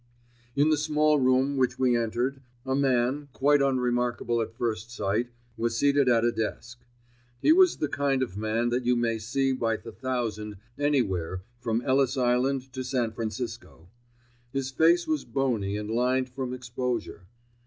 In the smaller room which we entered a man, quite unremarkable at first sight, was seated at a desk. He was the kind of man that you may see by the thousand anywhere from Ellis Island to San Francisco. His face was bony and lined from exposure.